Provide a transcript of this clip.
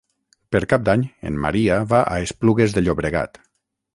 Per Cap d'Any en Maria va a Esplugues de Llobregat.